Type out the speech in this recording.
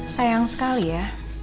sayang sekali ya